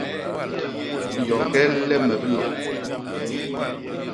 Yokel le me bilo.